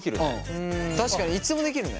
確かにいつでもできるね。